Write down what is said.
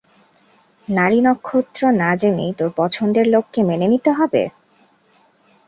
নাড়ি নক্ষত্র না জেনেই তোর পছন্দের লোককে মেনে নিতে হবে?